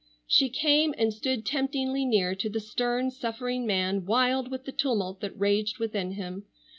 She came and stood temptingly near to the stern, suffering man wild with the tumult that raged within him.